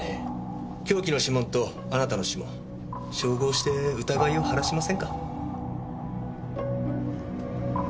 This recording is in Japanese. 凶器の指紋とあなたの指紋照合して疑いを晴らしませんか？